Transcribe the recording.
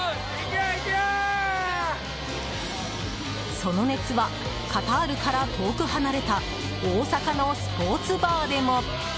その熱はカタールから遠く離れた大阪のスポーツバーでも。